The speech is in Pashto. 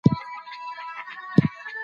دوی ټول کال زحمت وباسي او خولې تویوي.